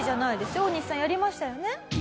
オオニシさんやりましたよね？